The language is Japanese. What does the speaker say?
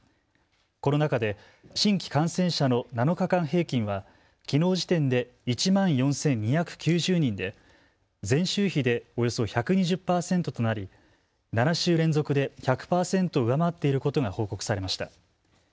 この中で新規感染者の７日間平均はきのう時点で１万４２９０人で前週比でおよそ１２０％となり７週連続で１００％を上回っていることが報告されました。